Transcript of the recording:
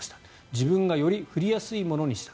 自分がより振りやすいものにした。